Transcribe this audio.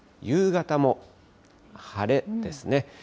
夕方も晴れですね。